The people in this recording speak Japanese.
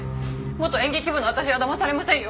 元演劇部の私はだまされませんよ。